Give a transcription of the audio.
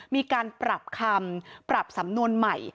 มีการปรับคำปรับสำนวนใหม่